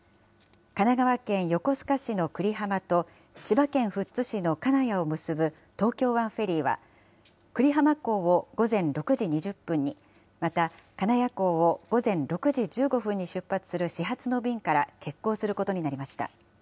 神奈川県横須賀市の久里浜と、千葉県富津市の金谷を結ぶ東京湾フェリーは、久里浜港を午前６時２０分に、また、金谷港を午前６時１５分に出発する始発の便から欠航することになりました。